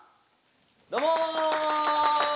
どうも。